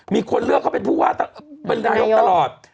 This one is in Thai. มีคนเลือกเขาเป็นผู้ว่าเป็นนายกตลอด